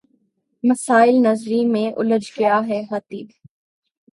مسائل نظری میں الجھ گیا ہے خطیب